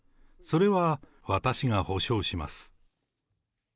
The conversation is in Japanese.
それは私が保証します。